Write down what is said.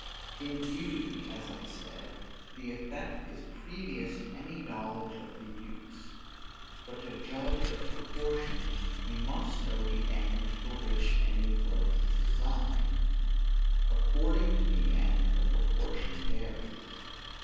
In beauty, as I said, the effect is previous to any knowledge of the use; but to judge of proportion, we must know the end for which any work is designed. According to the end, the proportion varies.